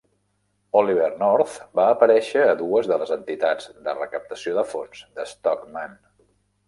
Oliver North va aparèixer a dues de les entitats de recaptació de fons de Stockman.